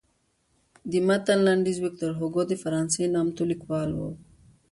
د متن لنډیز ویکتور هوګو د فرانسې نامتو لیکوال و.